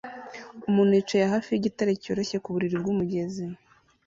Umuntu yicaye hafi yigitare cyoroshye ku buriri bwumugezi